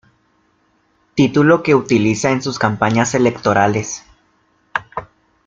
Título que utiliza en sus campañas electorales.